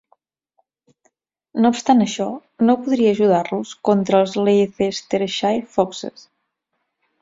No obstant això, no podria ajudar-los contra els Leicestershire Foxes.